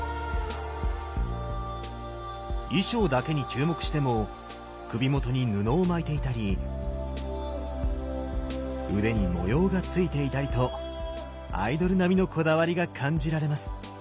衣装だけに注目しても首元に布を巻いていたり腕に模様がついていたりとアイドルなみのこだわりが感じられます。